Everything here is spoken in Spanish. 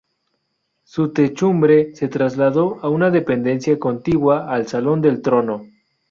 Su techumbre se trasladó a una dependencia contigua al salón del trono.